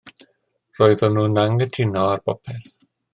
Roedden nhw'n anghytuno ar bopeth.